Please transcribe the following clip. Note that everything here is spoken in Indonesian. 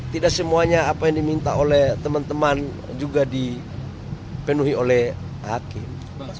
tidak semuanya apa yang diminta oleh teman teman juga dipenuhi oleh hakim